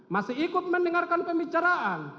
masih ikut mendengarkan pembicaraan